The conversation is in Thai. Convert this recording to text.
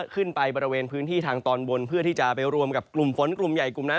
ขึ้นไปบริเวณพื้นที่ทางตอนบนเพื่อที่จะไปรวมกับกลุ่มฝนกลุ่มใหญ่กลุ่มนั้น